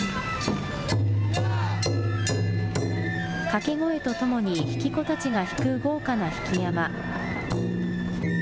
掛け声とともに曳き子たちが引く豪華な曳山。